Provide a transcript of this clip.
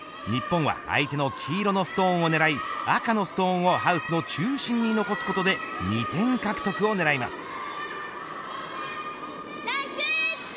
日本は相手の黄色のストーンを狙い赤のストーンをハウスの中心に残すことで２点獲得を狙います。